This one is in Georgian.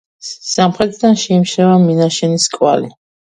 სამხრეთიდან შეიმჩნევა მინაშენის კვალი.